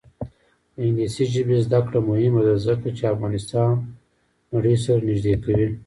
د انګلیسي ژبې زده کړه مهمه ده ځکه چې افغانستان نړۍ سره نږدې کوي.